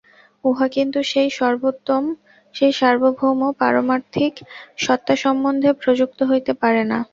উহা কিন্তু সেই সার্বভৌম পারমার্থিক সত্তা সম্বন্ধে প্রযুক্ত হইতে পারে না।